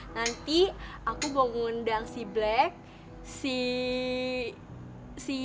nanti aku mau ngundang si black si